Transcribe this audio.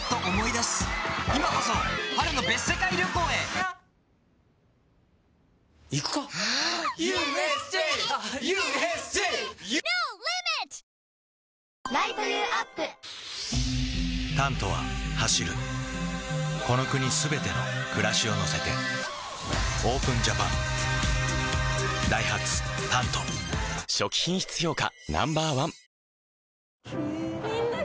「サッポロ濃いめのレモンサワー」リニューアル「タント」は走るこの国すべての暮らしを乗せて ＯＰＥＮＪＡＰＡＮ ダイハツ「タント」初期品質評価